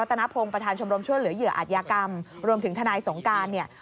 ตนพงศ์ประธานชมรมช่วยเหลือเหยื่ออาจยากรรมรวมถึงทนายสงการเนี่ย